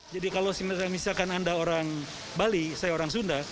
jadi kalau misalkan anda orang bali saya orang sunda